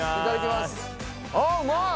あうまい！